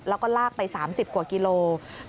แล้วก็ลากไป๓๐กว่ากิโล